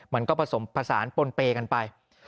มันก็ผสมผสานปนเปย์กันไป